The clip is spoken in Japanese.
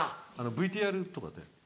ＶＴＲとかで。